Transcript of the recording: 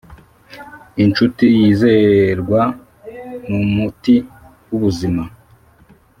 inshuti yizerwa numuti wubuzima